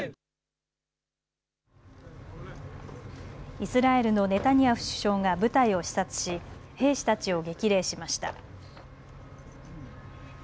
イスラエルのネタニヤフ首相が部隊を視察し兵士たちを激励しました。